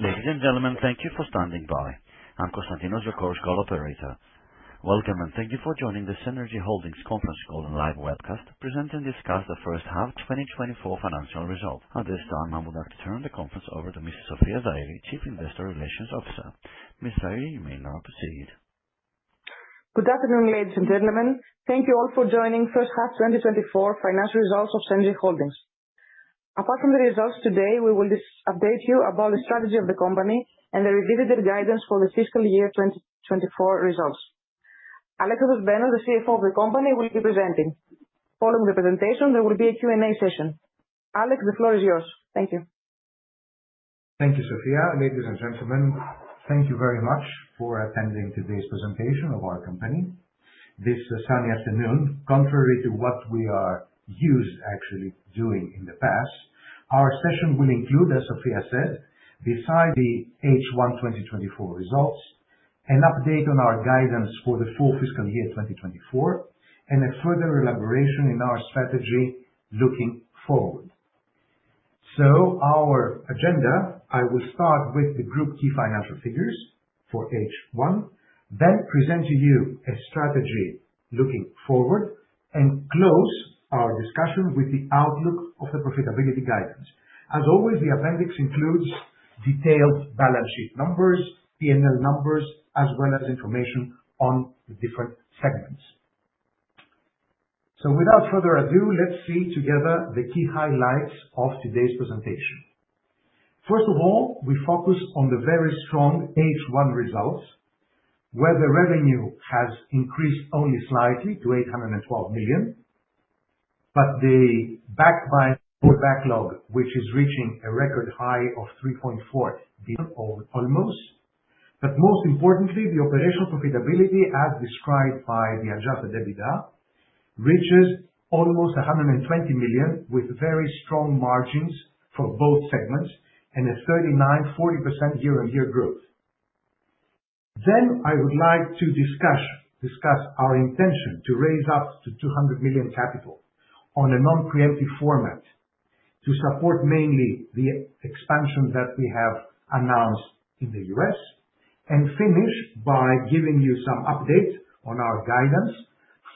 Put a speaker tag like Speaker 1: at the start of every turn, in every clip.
Speaker 1: Ladies and gentlemen, thank you for standing by. I'm Constantinos, your conference call operator. Welcome and thank you for joining the Cenergy Holdings conference call and live webcast presenting the first half 2024 financial results. At this time, I would like to turn the conference over to Ms. Sofia Zafiridou, Chief Investor Relations Officer. Ms. Zafiridou, you may now proceed.
Speaker 2: Good afternoon, ladies and gentlemen. Thank you all for joining first half 2024 financial results of Cenergy Holdings. Apart from the results today, we will update you about the strategy of the company and the revisited guidance for the fiscal year 2024 results. Alexandros Benos, the CFO of the company, will be presenting. Following the presentation, there will be a Q&A session. Alex, the floor is yours. Thank you.
Speaker 3: Thank you, Sofia. Ladies and gentlemen, thank you very much for attending today's presentation of our company. This sunny afternoon, contrary to what we are used to actually doing in the past, our session will include, as Sofia said, besides the H1 2024 results, an update on our guidance for the full fiscal year 2024, and a further elaboration in our strategy looking forward. Our agenda: I will start with the group key financial figures for H1, then present to you a strategy looking forward, and close our discussion with the outlook of the profitability guidance. As always, the appendix includes detailed balance sheet numbers, P&L numbers, as well as information on the different segments. Without further ado, let's see together the key highlights of today's presentation. First of all, we focus on the very strong H1 results, where the revenue has increased only slightly to 812 million, but the backlog, which is reaching a record high of 3.4 billion almost. But most importantly, the operational profitability, as described by the Adjusted EBITDA, reaches almost 120 million, with very strong margins for both segments and a 39-40% year-on-year growth. Then I would like to discuss our intention to raise up to 200 million capital on a non-preemptive format to support mainly the expansion that we have announced in the U.S., and finish by giving you some updates on our guidance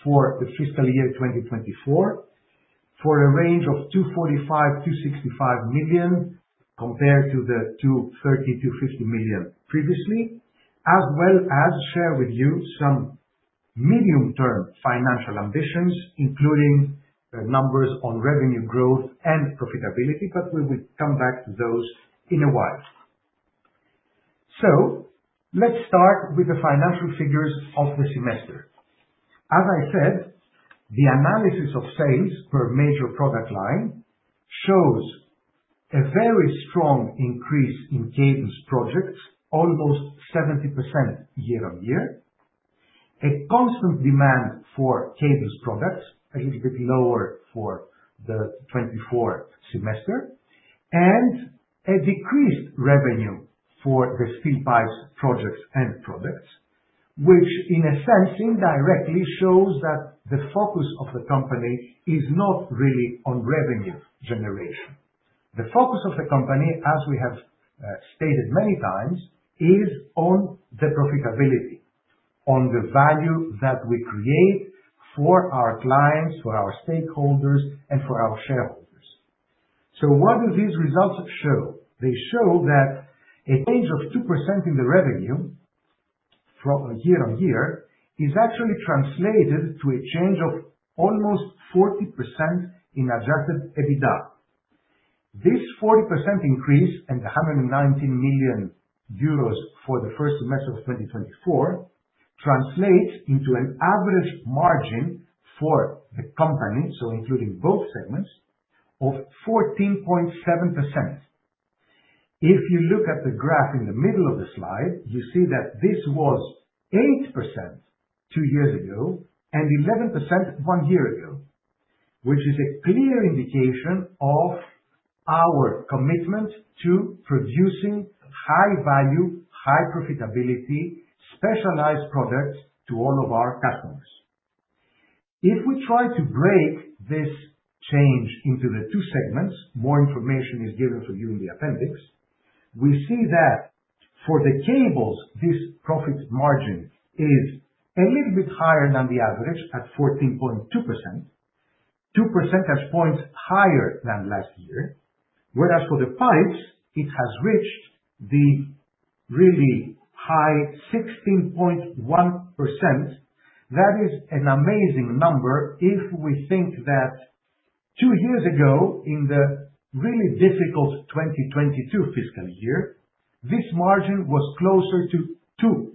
Speaker 3: for the fiscal year 2024 for a range of 245-265 million compared to the 230-250 million previously, as well as share with you some medium-term financial ambitions, including numbers on revenue growth and profitability, but we will come back to those in a while. Let's start with the financial figures of the semester. As I said, the analysis of sales per major product line shows a very strong increase in cables projects, almost 70% year-on-year, a constant demand for cables products, a little bit lower for the 2024 semester, and a decreased revenue for the steel pipes projects and products, which in a sense indirectly shows that the focus of the company is not really on revenue generation. The focus of the company, as we have stated many times, is on the profitability, on the value that we create for our clients, for our stakeholders, and for our shareholders. What do these results show? They show that a range of 2% in the revenue year-on-year is actually translated to a change of almost 40% in Adjusted EBITDA. This 40% increase and 119 million euros for the first semester of 2024 translates into an average margin for the company, so including both segments, of 14.7%. If you look at the graph in the middle of the slide, you see that this was 8% two years ago and 11% one year ago, which is a clear indication of our commitment to producing high-value, high-profitability, specialized products to all of our customers. If we try to break this change into the two segments, more information is given for you in the appendix, we see that for the cables, this profit margin is a little bit higher than the average at 14.2%, 2 percentage points higher than last year, whereas for the pipes, it has reached the really high 16.1%. That is an amazing number if we think that two years ago, in the really difficult 2022 fiscal year, this margin was closer to 2%.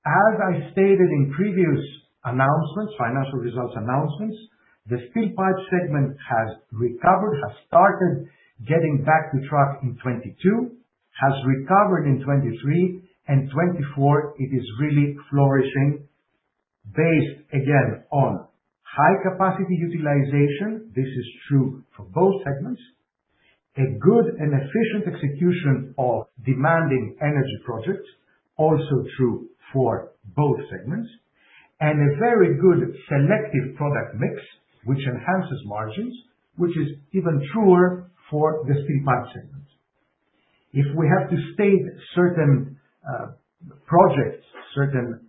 Speaker 3: As I stated in previous announcements, financial results announcements, the steel pipe segment has recovered, has started getting back to track in 2022, has recovered in 2023, and 2024 it is really flourishing based again on high capacity utilization. This is true for both segments. A good and efficient execution of demanding energy projects, also true for both segments, and a very good selective product mix, which enhances margins, which is even truer for the steel pipe segment. If we have to state certain projects, certain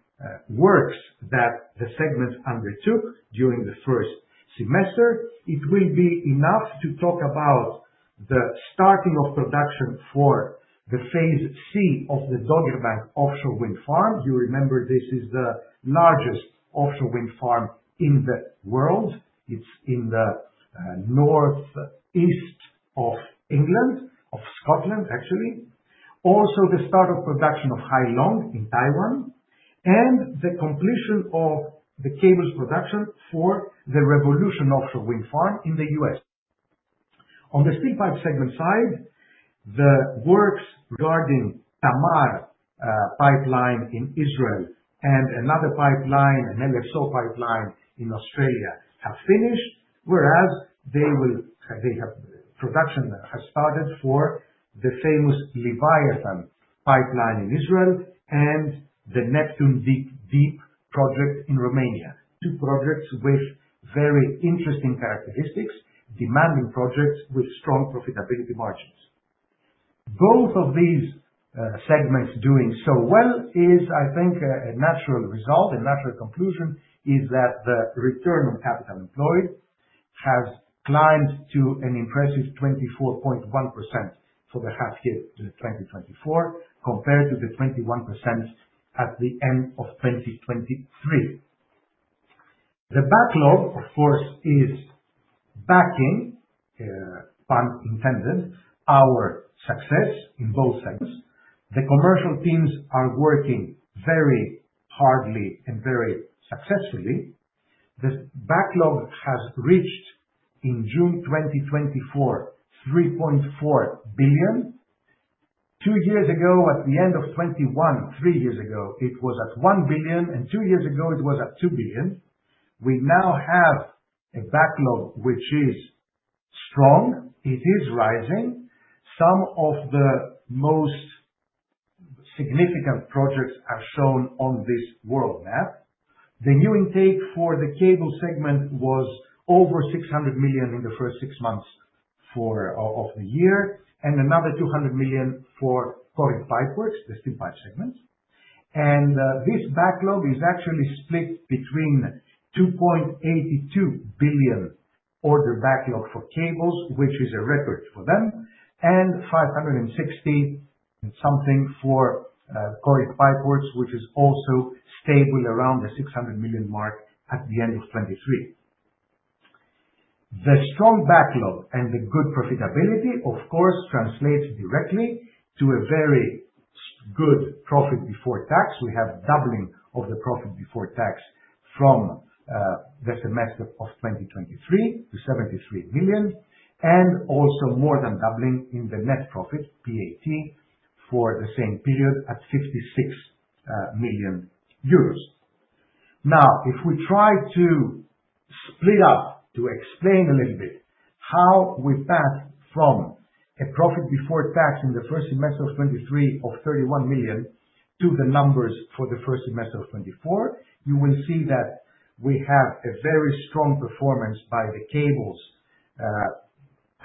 Speaker 3: works that the segments undertook during the first semester, it will be enough to talk about the starting of production for the phase C of the Dogger Bank offshore wind farm. You remember this is the largest offshore wind farm in the world. It's in the North East of England, of Scotland, actually. Also, the start of production of Hai Long in Taiwan and the completion of the cables production for the Revolution Wind offshore wind farm in the US. On the steel pipe segment side, the works regarding Tamar pipeline in Israel and another pipeline, an uncertain, have finished, whereas the production has started for the famous Leviathan pipeline in Israel and the Neptune Deep project in Romania. Two projects with very interesting characteristics, demanding projects with strong profitability margins. Both of these segments doing so well is, I think, a natural result. A natural conclusion is that the return on capital employed has climbed to an impressive 24.1% for the half year 2024 compared to the 21% at the end of 2023. The backlog, of course, is backing, pun intended, our success in both segments. The commercial teams are working very hard and very successfully. The backlog has reached in June 2024, 3.4 billion. Two years ago, at the end of 2021, three years ago, it was at 1 billion, and two years ago, it was at 2 billion. We now have a backlog which is strong. It is rising. Some of the most significant projects are shown on this world map. The new intake for the cable segment was over 600 million in the first six months of the year, and another 200 million for Corinth Pipeworks, the steel pipe segments. This backlog is actually split between 2.82 billion order backlog for cables, which is a record for them, and 560 and something for Corinth Pipeworks, which is also stable around the 600 million mark at the end of 2023. The strong backlog and the good profitability, of course, translates directly to a very good profit before tax. We have doubling of the profit before tax from the semester of 2023 to 73 million, and also more than doubling in the net profit, PAT, for the same period at 56 million euros. Now, if we try to split up to explain a little bit how we passed from a profit before tax in the first semester of 2023 of 31 million to the numbers for the first semester of 2024, you will see that we have a very strong performance by the cables,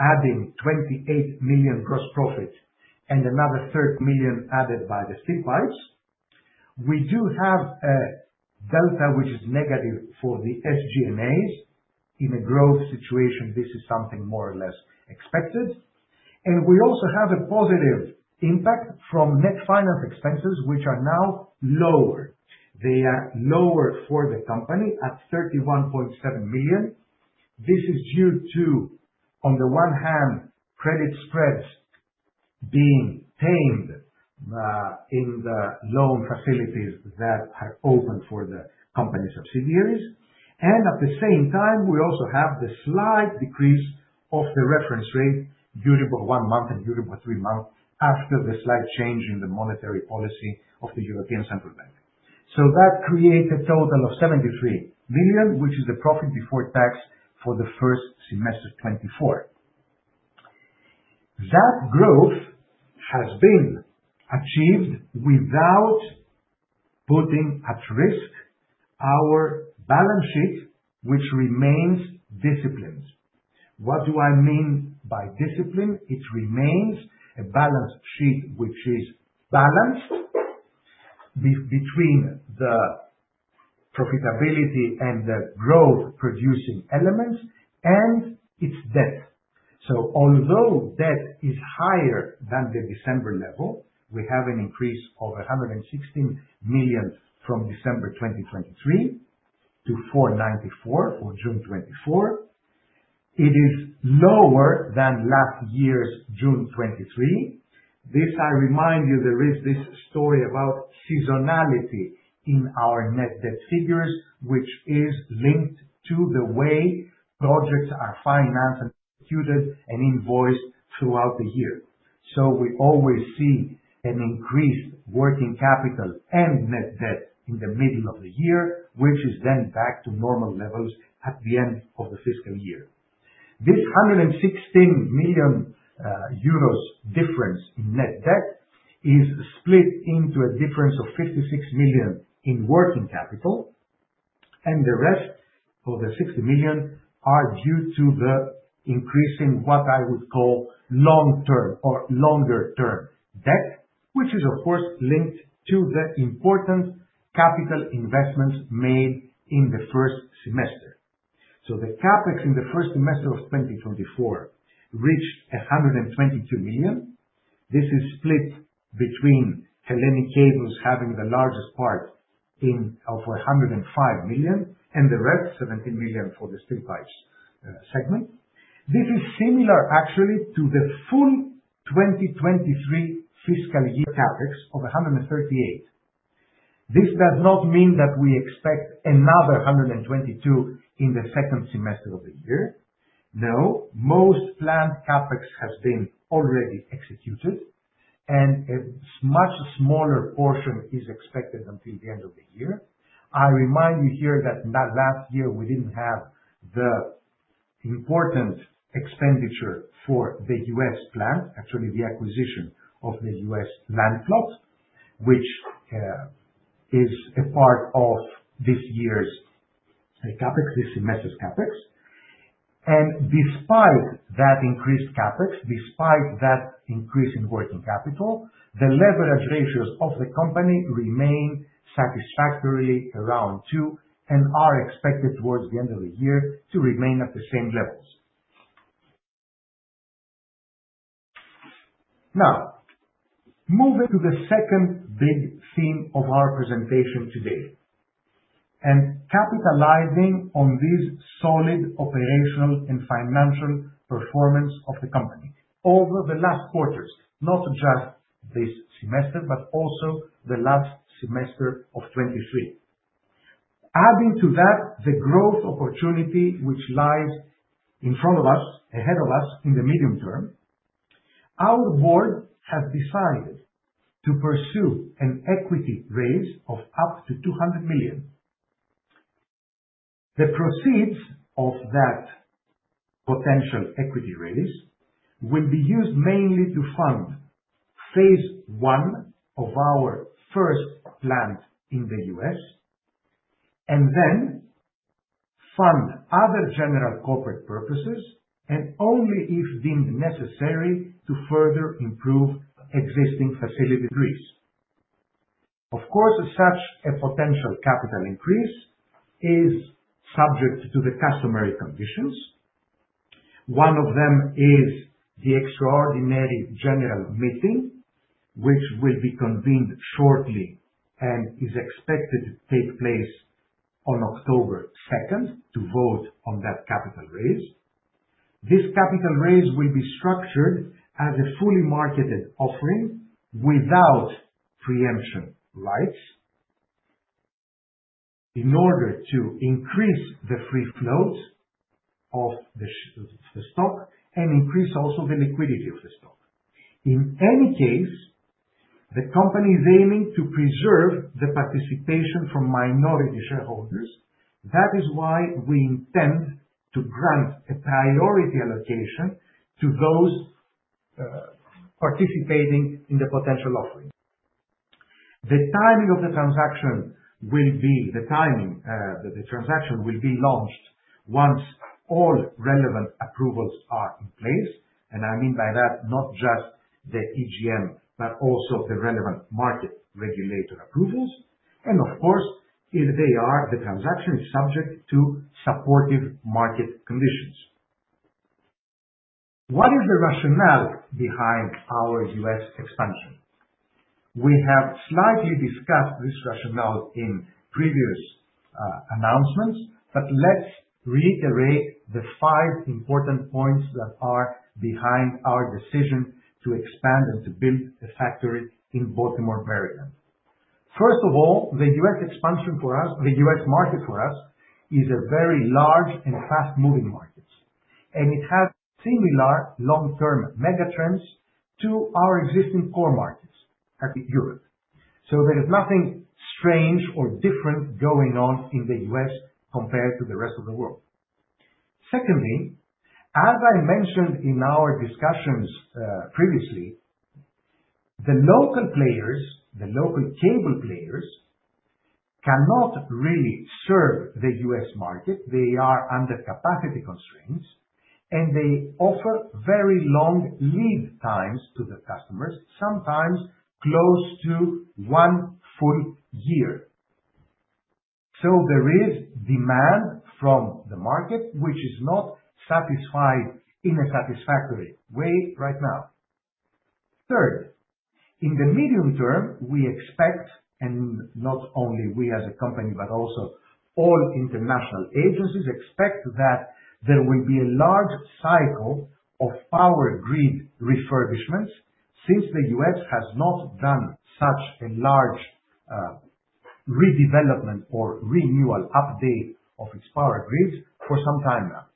Speaker 3: adding 28 million gross profit and another 30 million added by the steel pipes. We do have a delta which is negative for the SGMAs. In a growth situation, this is something more or less expected. And we also have a positive impact from net finance expenses, which are now lower. They are lower for the company at 31.7 million. This is due to, on the one hand, credit spreads being tamed in the loan facilities that are open for the company subsidiaries. At the same time, we also have the slight decrease of the reference rate, Euribor one month and Euribor three month, after the slight change in the monetary policy of the European Central Bank. That creates a total of 73 million, which is the profit before tax for the first semester 2024. That growth has been achieved without putting at risk our balance sheet, which remains disciplined. What do I mean by discipline? It remains a balance sheet which is balanced between the profitability and the growth producing elements and its debt. Although debt is higher than the December level, we have an increase of 116 million from December 2023 to 494 million for June 2024. It is lower than last year's June 2023. This, I remind you, there is this story about seasonality in our net debt figures, which is linked to the way projects are financed and executed and invoiced throughout the year. So we always see an increased working capital and net debt in the middle of the year, which is then back to normal levels at the end of the fiscal year. This 116 million euros difference in net debt is split into a difference of 56 million in working capital, and the rest of the 60 million are due to the increase in what I would call long-term or longer-term debt, which is, of course, linked to the important capital investments made in the first semester. So the CapEx in the first semester of 2024 reached 122 million. This is split between Hellenic Cables having the largest part of 105 million and the rest, 17 million for the steel pipes segment. This is similar, actually, to the full 2023 fiscal year CapEx of 138. This does not mean that we expect another 122 in the second semester of the year. No, most planned CapEx has been already executed, and a much smaller portion is expected until the end of the year. I remind you here that last year we didn't have the important expenditure for the US plant, actually the acquisition of the US land plot, which is a part of this year's CapEx, this semester's CapEx, and despite that increased CapEx, despite that increase in working capital, the leverage ratios of the company remain satisfactorily around 2 and are expected towards the end of the year to remain at the same levels. Now, moving to the second big theme of our presentation today, and capitalizing on this solid operational and financial performance of the company over the last quarters, not just this semester, but also the last semester of 2023. Adding to that, the growth opportunity which lies in front of us, ahead of us in the medium term, our board has decided to pursue an equity raise of up to 200 million. The proceeds of that potential equity raise will be used mainly to fund phase one of our first plant in the U.S., and then fund other general corporate purposes, and only if deemed necessary to further improve existing facility upgrades. Of course, such a potential capital increase is subject to the customary conditions. One of them is the extraordinary general meeting, which will be convened shortly and is expected to take place on October 2nd to vote on that capital raise. This capital raise will be structured as a fully marketed offering without preemption rights in order to increase the free float of the stock and increase also the liquidity of the stock. In any case, the company is aiming to preserve the participation from minority shareholders. That is why we intend to grant a priority allocation to those participating in the potential offering. The timing of the transaction will be the timing that the transaction will be launched once all relevant approvals are in place. And I mean by that not just the EGM, but also the relevant market regulator approvals. And of course, the transaction is subject to supportive market conditions. What is the rationale behind our U.S. expansion? We have slightly discussed this rationale in previous announcements, but let's reiterate the five important points that are behind our decision to expand and to build a factory in Baltimore, Maryland. First of all, the U.S. expansion for us, the U.S. market for us, is a very large and fast-moving market, and it has similar long-term megatrends to our existing core markets in Europe. So there is nothing strange or different going on in the U.S. compared to the rest of the world. Secondly, as I mentioned in our discussions previously, the local players, the local cable players, cannot really serve the U.S. market. They are under capacity constraints, and they offer very long lead times to the customers, sometimes close to one full year. So there is demand from the market, which is not satisfied in a satisfactory way right now. Third, in the medium term, we expect, and not only we as a company, but also all international agencies expect that there will be a large cycle of power grid refurbishments since the U.S. has not done such a large redevelopment or renewal update of its power grids for some time now.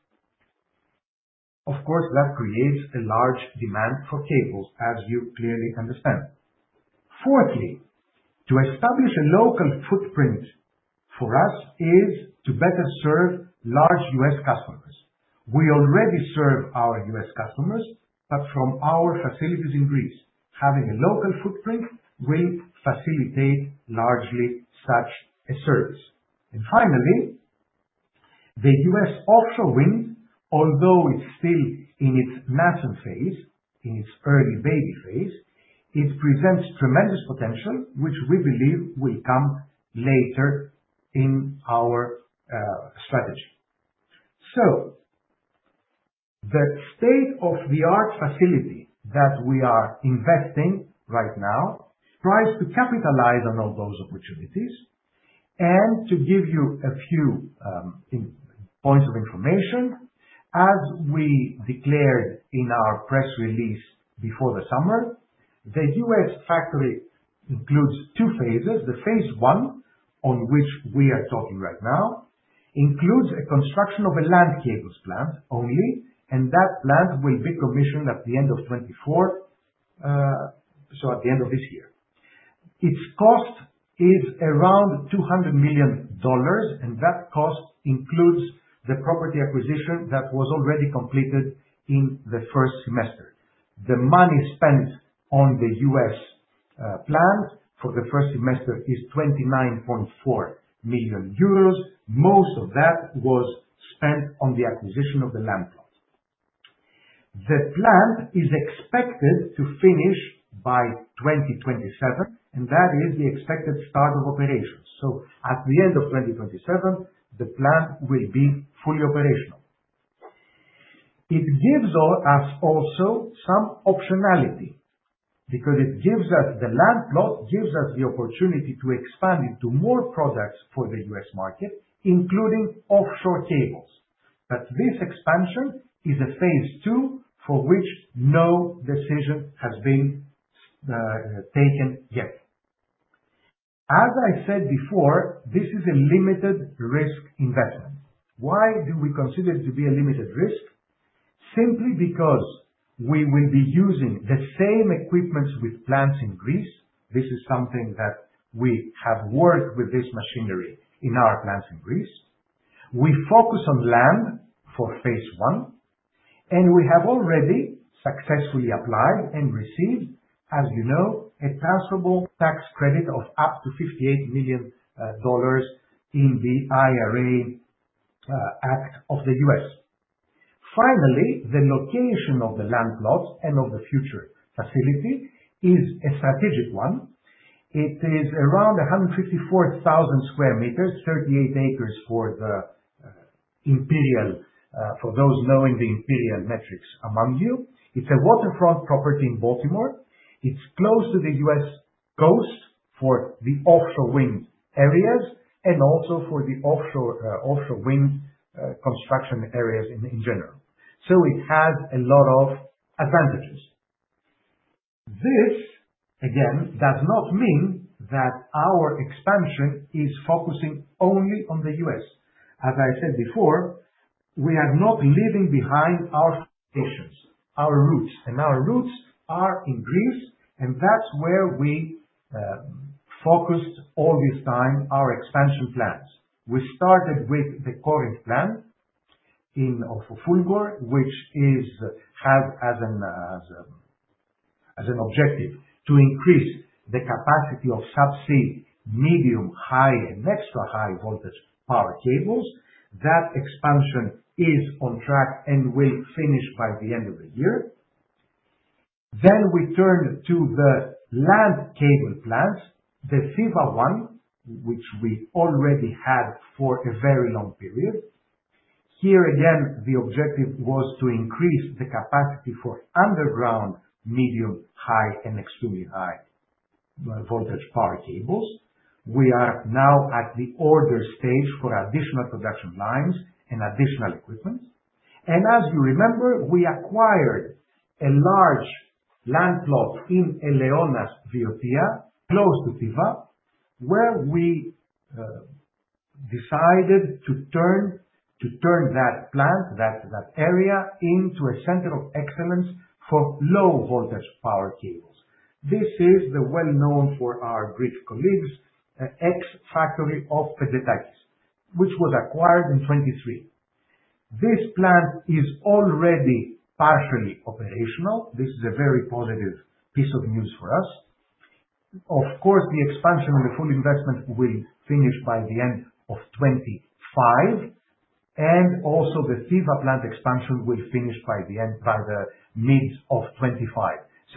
Speaker 3: Of course, that creates a large demand for cables, as you clearly understand. Fourthly, to establish a local footprint for us is to better serve large U.S. customers. We already serve our U.S. customers, but from our facilities in Greece, having a local footprint will facilitate largely such a service. And finally, the U.S. offshore wind, although it's still in its massive phase, in its early baby phase, it presents tremendous potential, which we believe will come later in our strategy. So the state-of-the-art facility that we are investing right now tries to capitalize on all those opportunities. To give you a few points of information, as we declared in our press release before the summer, the US factory includes two phases. The Phase One, on which we are talking right now, includes a construction of a land cables plant only, and that plant will be commissioned at the end of 2024, so at the end of this year. Its cost is around $200 million, and that cost includes the property acquisition that was already completed in the first semester. The money spent on the US plant for the first semester is 29.4 million euros. Most of that was spent on the acquisition of the land plot. The plant is expected to finish by 2027, and that is the expected start of operations. At the end of 2027, the plant will be fully operational. It gives us also some optionality because it gives us the land plot, gives us the opportunity to expand into more products for the US market, including offshore cables. But this expansion is a phase two for which no decision has been taken yet. As I said before, this is a limited risk investment. Why do we consider it to be a limited risk? Simply because we will be using the same equipment with plants in Greece. This is something that we have worked with this machinery in our plants in Greece. We focus on land for phase one, and we have already successfully applied and received, as you know, a taxable tax credit of up to $58 million in the IRA Act of the US. Finally, the location of the land plot and of the future facility is a strategic one. It is around 154,000 sq m, 38 acres for the imperial, for those knowing the imperial metrics among you. It's a waterfront property in Baltimore. It's close to the U.S. coast for the offshore wind areas and also for the offshore wind construction areas in general. So it has a lot of advantages. This, again, does not mean that our expansion is focusing only on the U.S. As I said before, we are not leaving behind our foundations, our roots, and our roots are in Greece, and that's where we focused all this time our expansion plans. We started with the current plan of Fulgor, which has as an objective to increase the capacity of subsea, medium, high, and extra high voltage power cables. That expansion is on track and will finish by the end of the year. Then we turned to the land cable plants, the Thiva one, which we already had for a very long period. Here again, the objective was to increase the capacity for underground medium, high, and extremely high voltage power cables. We are now at the order stage for additional production lines and additional equipment. And as you remember, we acquired a large land plot in Eleonas, Viotia, close to Thiva, where we decided to turn that plant, that area, into a center of excellence for low voltage power cables. This is the well-known for our Greek colleagues, ex-factory of Petzetakis, which was acquired in 2023. This plant is already partially operational. This is a very positive piece of news for us. Of course, the expansion and the full investment will finish by the end of 2025, and also the Fulgor plant expansion will finish by the end, by the mid of 2025.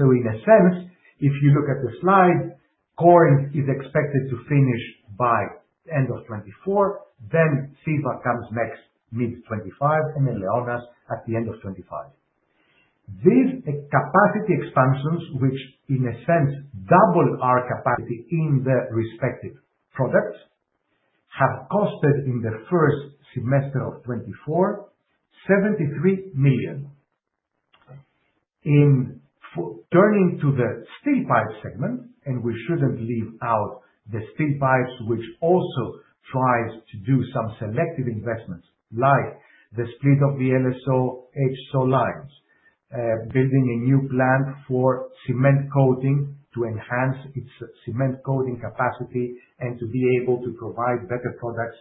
Speaker 3: So in a sense, if you look at the slide, Corinth is expected to finish by the end of 2024, then Fulgor comes next mid 2025, and Eleonas at the end of 2025. These capacity expansions, which in a sense double our capacity in the respective products, have cost in the first semester of 2024, EUR 73 million. In turning to the steel pipe segment, and we shouldn't leave out the steel pipes, which also tries to do some selective investments like the split of the LSO HSO lines, building a new plant for cement coating to enhance its cement coating capacity and to be able to provide better products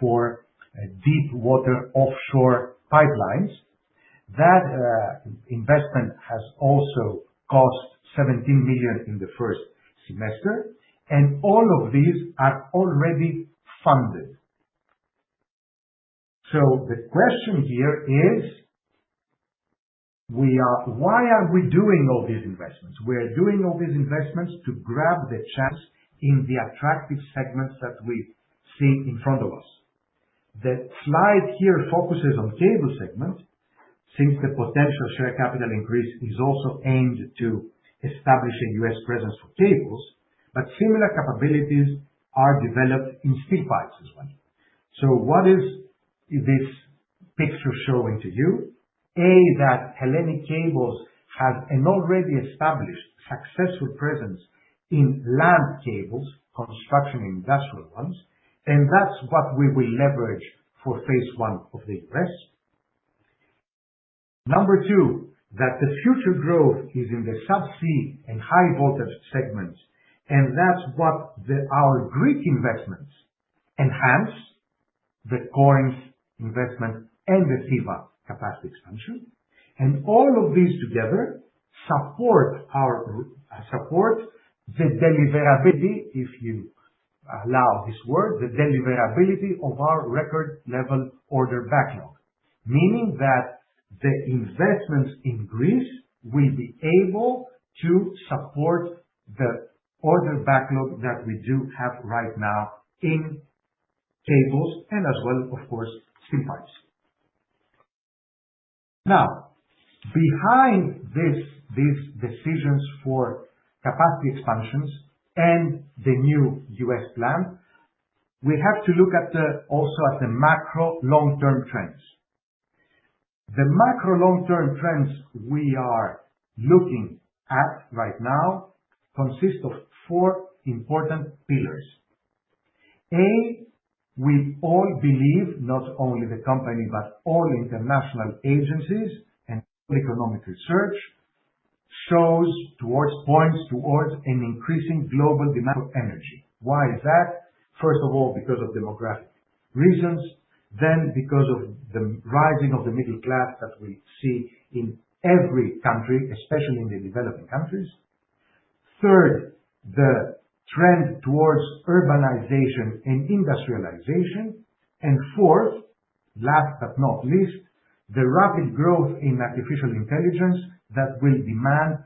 Speaker 3: for deep water offshore pipelines. That investment has also cost 17 million in the first semester, and all of these are already funded. So the question here is, why are we doing all these investments? We are doing all these investments to grab the chance in the attractive segments that we see in front of us. The slide here focuses on cable segments since the potential share capital increase is also aimed to establish a U.S. presence for cables, but similar capabilities are developed in steel pipes as well. So what is this picture showing to you? A, that Hellenic Cables has an already established successful presence in land cables, construction and industrial ones, and that's what we will leverage for phase one of the U.S. Number two, that the future growth is in the subsea and high voltage segments, and that's what our Greek investments enhance, the Corinth investment and the Thiva capacity expansion. All of these together support the deliverability, if you allow this word, of our record-level order backlog, meaning that the investments in Greece will be able to support the order backlog that we do have right now in cables and as well, of course, steel pipes. Now, behind these decisions for capacity expansions and the new U.S. plant, we have to look also at the macro long-term trends. The macro long-term trends we are looking at right now consist of four important pillars. A, we all believe, not only the company, but all international agencies and all economic research shows points towards an increasing global demand for energy. Why is that? First of all, because of demographic reasons, then because of the rising of the middle class that we see in every country, especially in the developing countries. Third, the trend towards urbanization and industrialization and fourth, last but not least, the rapid growth in artificial intelligence that will demand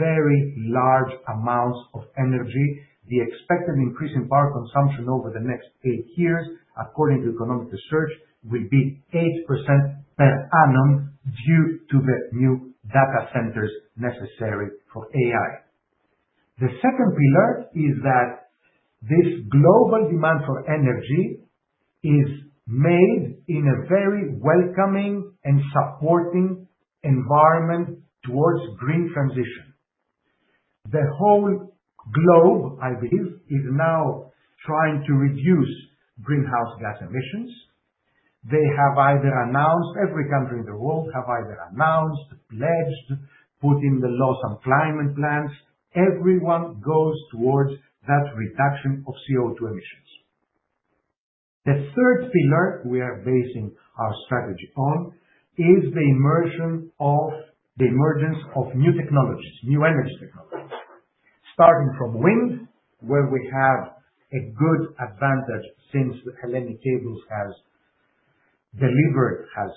Speaker 3: very large amounts of energy. The expected increase in power consumption over the next eight years, according to economic research, will be 8% per annum due to the new data centers necessary for AI. The second pillar is that this global demand for energy is made in a very welcoming and supporting environment towards green transition. The whole globe, I believe, is now trying to reduce greenhouse gas emissions. Every country in the world have either announced, pledged, put in the laws on climate plans. Everyone goes towards that reduction of CO2 emissions. The third pillar we are basing our strategy on is the emergence of new technologies, new energy technologies, starting from wind, where we have a good advantage since Hellenic Cables has delivered, has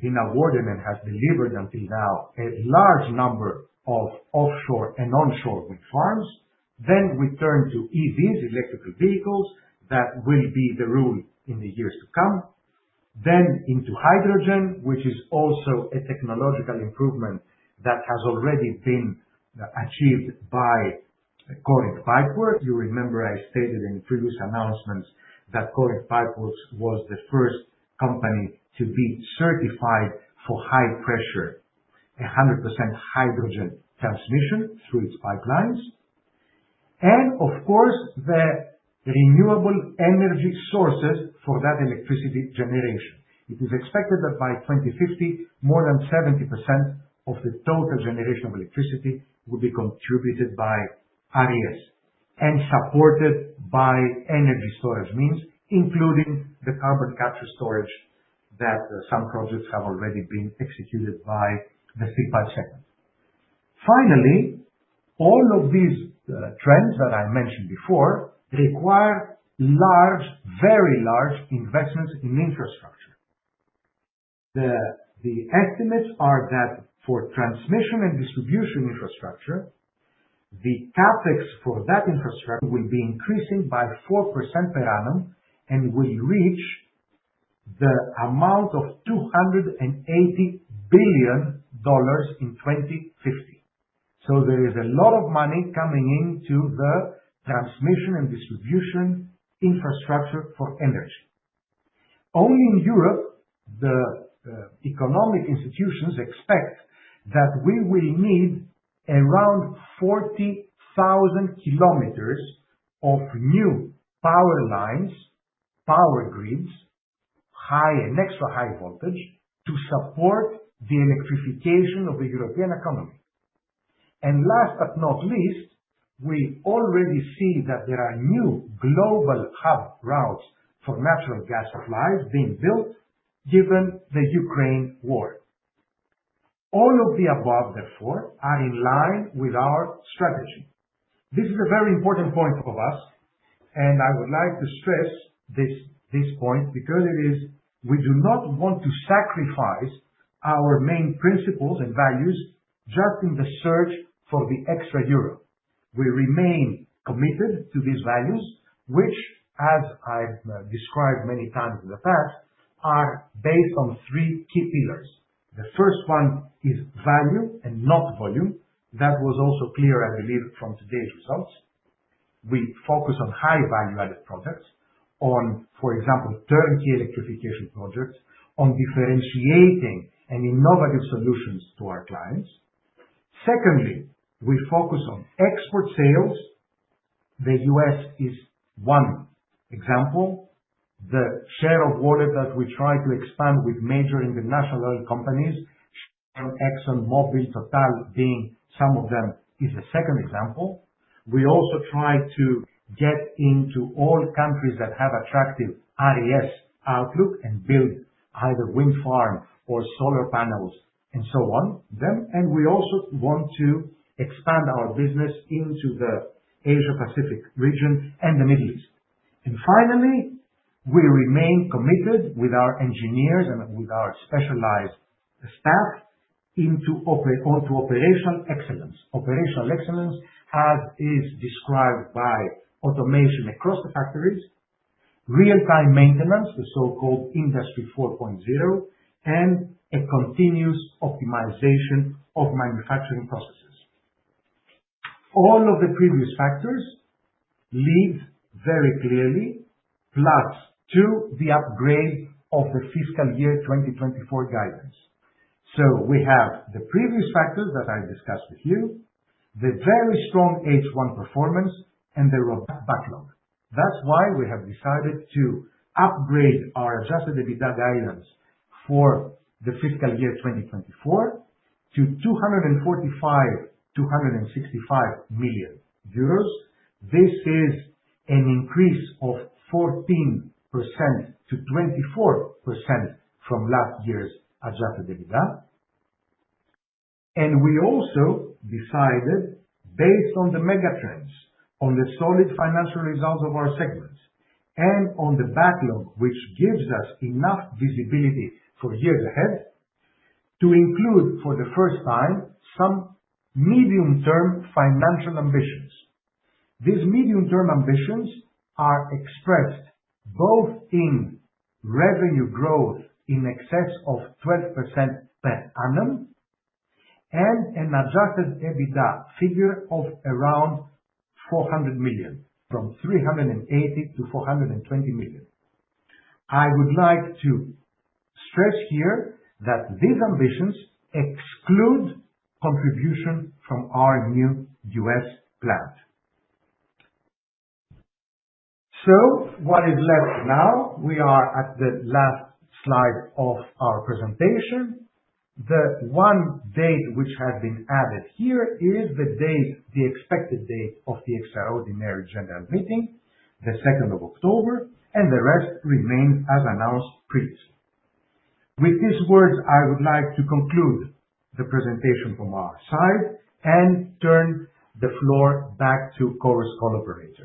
Speaker 3: been awarded and has delivered until now a large number of offshore and onshore wind farms. Then we turn to EVs, electrical vehicles that will be the rule in the years to come. Then into hydrogen, which is also a technological improvement that has already been achieved by Corinth Pipeworks. You remember I stated in previous announcements that Corinth Pipeworks was the first company to be certified for high pressure, 100% hydrogen transmission through its pipelines. And of course, the renewable energy sources for that electricity generation. It is expected that by 2050, more than 70% of the total generation of electricity will be contributed by RES and supported by energy storage means, including the carbon capture storage that some projects have already been executed by the steel pipe segment. Finally, all of these trends that I mentioned before require large, very large investments in infrastructure. The estimates are that for transmission and distribution infrastructure, the CapEx for that infrastructure will be increasing by 4% per annum and will reach the amount of $280 billion in 2050. So there is a lot of money coming into the transmission and distribution infrastructure for energy. Only in Europe, the economic institutions expect that we will need around 40,000 km of new power lines, power grids, high and extra high voltage to support the electrification of the European economy. And last but not least, we already see that there are new global hub routes for natural gas supplies being built given the Ukraine war. All of the above, therefore, are in line with our strategy. This is a very important point for us, and I would like to stress this point because it is, we do not want to sacrifice our main principles and values just in the search for the extra euro. We remain committed to these values, which, as I've described many times in the past, are based on three key pillars. The first one is value and not volume. That was also clear, I believe, from today's results. We focus on high value-added products, on, for example, turnkey electrification projects, on differentiating and innovative solutions to our clients. Secondly, we focus on export sales. The U.S. is one example. The share of wallet that we try to expand with major international companies, ExxonMobil, Total being some of them, is a second example. We also try to get into all countries that have attractive RES outlook and build either wind farms or solar panels and so on. And we also want to expand our business into the Asia-Pacific region and the Middle East. And finally, we remain committed with our engineers and with our specialized staff into operational excellence, operational excellence as is described by automation across the factories, real-time maintenance, the so-called Industry 4.0, and a continuous optimization of manufacturing processes. All of the previous factors lead very clearly, plus to the upgrade of the fiscal year 2024 guidance. So we have the previous factors that I discussed with you, the very strong H1 performance, and the robust backlog. That's why we have decided to upgrade our Adjusted EBITDA guidance for the fiscal year 2024 to 245-265 million euros. This is an increase of 14% to 24% from last year's Adjusted EBITDA. And we also decided, based on the megatrends, on the solid financial results of our segments, and on the backlog, which gives us enough visibility for years ahead, to include for the first time some medium-term financial ambitions. These medium-term ambitions are expressed both in revenue growth in excess of 12% per annum and an Adjusted EBITDA figure of around 400 million, 380-420 million. I would like to stress here that these ambitions exclude contribution from our new US plant. So what is left now? We are at the last slide of our presentation. The one date which has been added here is the date, the expected date of the extraordinary general meeting, the 2nd of October, and the rest remains as announced previously. With these words, I would like to conclude the presentation from our side and turn the floor back to our Chorus Call Operator.